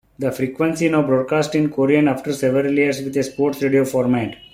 The frequency now broadcast in Korean after several years with a sports radio format.